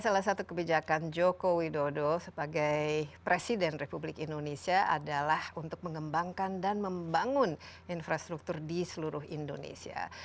salah satu kebijakan joko widodo sebagai presiden republik indonesia adalah untuk mengembangkan dan membangun infrastruktur di seluruh indonesia